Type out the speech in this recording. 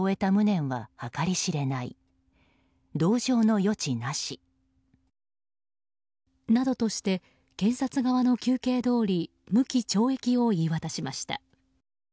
福岡地裁は。などとして検察側の求刑どおり無期懲役を言い渡しました。